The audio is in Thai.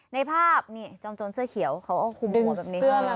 ในภาพนี่จอมโจรเสื้อเขียวเขาก็คุมตัวแบบนี้